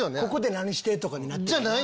ここで何してとかになっちゃう。